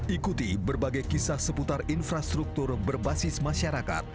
ikuti berbagai kisah seputar infrastruktur berbasis masyarakat